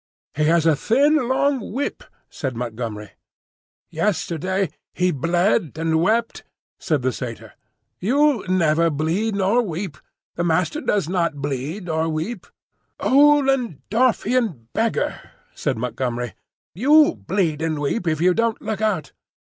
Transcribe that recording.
"He has a thin long whip," said Montgomery. "Yesterday he bled and wept," said the Satyr. "You never bleed nor weep. The Master does not bleed or weep." "Ollendorffian beggar!" said Montgomery, "you'll bleed and weep if you don't look out!"